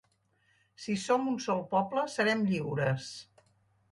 Si som un sol poble, serem lliures.